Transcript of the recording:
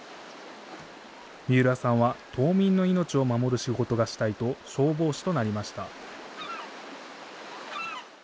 三浦さんは島民の命を守る仕事がしたいと消防士となりました。